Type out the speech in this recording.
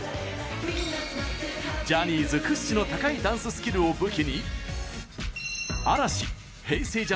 ジャニーズ屈指の高いダンススキルを武器に嵐、Ｈｅｙ！